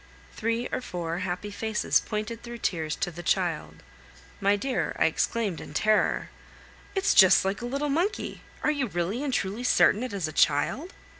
Three or four happy faces pointed through tears to the child. My dear, I exclaimed in terror: "It's just like a little monkey! Are you really and truly certain it is a child?"